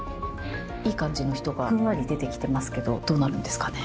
いい感じの人がふんわり出てきてますけどどうなるんですかね。